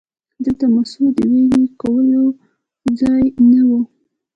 دلته د مسو د ویلې کولو ځایونه وو